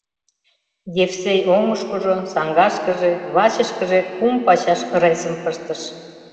— Евсей оҥышкыжо, саҥгашкыже, вачышкыже кум пачаш ыресым пыштыш.